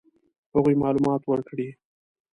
هغوی معلومات ورکړي.